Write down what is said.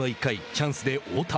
チャンスで大田。